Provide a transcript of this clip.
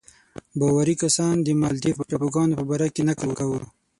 باوري کسانو د مالدیو ټاپوګانو په باره کې نکل کاوه.